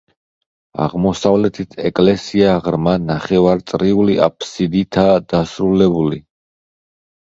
აღმოსავლეთით ეკლესია ღრმა ნახევარწრიული აფსიდითაა დასრულებული.